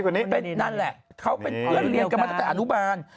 เขาเป็นเพื่อนเรียนกันมาตั้งแต่อนุบาล